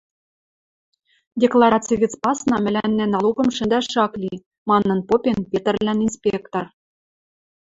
Деклараци гӹц пасна мӓлӓннӓ налогым шӹндӓш ак ли, — манын попен Петрлӓн инспектор.